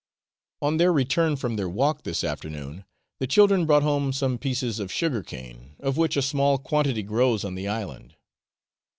On their return from their walk this afternoon, the children brought home some pieces of sugar cane, of which a small quantity grows on the island.